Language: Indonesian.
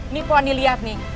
nih puan dilihat nih